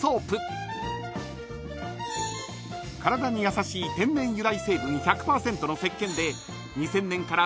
［体に優しい天然由来成分１００％のせっけんで２０００年から］